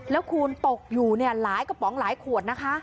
แล้วคูณตกอยู่เนี่ยหลายกระป๋องหลายขวดนะคะ